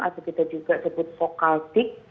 atau kita juga sebut vokal tic